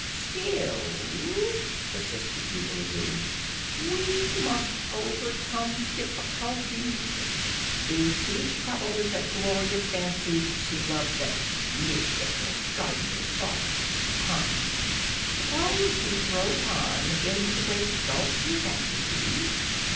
"Still," persisted Googly Goo, "we must overcome difficulties. The chief trouble is that Gloria fancies she loves that miserable gardener's boy, Pon. Suppose we throw Pon into the Great Gulf, your Majesty?"